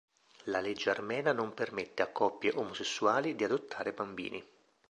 La legge armena non permette a coppie omosessuali di adottare bambini.